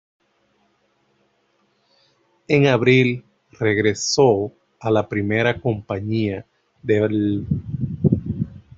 En abril regresó a la Primera Compañía del Batallón de Artillería de Marina.